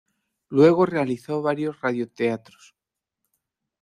Luego realizó varios radioteatros.